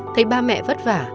thấy ba mẹ vất vả